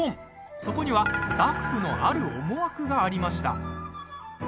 そこには幕府のある思惑がありました。